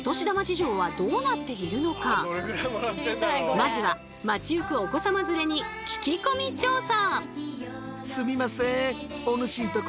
まずは街ゆくお子様連れに聞き込み調査！